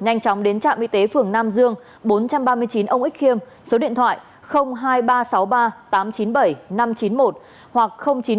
nhanh chóng đến trạm y tế phường nam dương bốn trăm ba mươi chín ông ích khiêm số điện thoại hai nghìn ba trăm sáu mươi ba tám trăm chín mươi bảy năm trăm chín mươi một hoặc chín trăm linh năm ba mươi sáu một trăm bốn mươi sáu